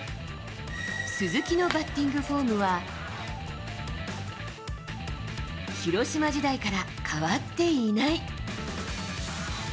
鈴木のバッティングフォームは、広島時代から変わっていない。